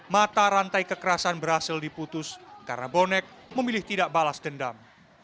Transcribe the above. mata rantai kekerasan berhasil diputus karena bonek memilih tidak balas dendam